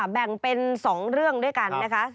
แบ่งเป็น๒เรื่องด้วยกันนะคะ